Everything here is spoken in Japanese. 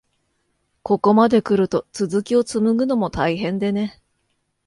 ここまでくると、続きをつむぐのも大変でね。